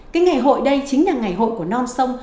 cái ngày hội đây chính là ngày hội của non sông